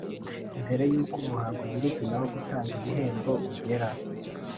Mbere y’uko umuhango nyir’izina wo gutanga ibihembo ugera